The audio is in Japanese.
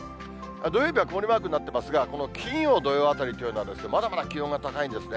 土曜日は曇りマークになってますが、この金曜、土曜あたりというのはまだまだ気温が高いんですね。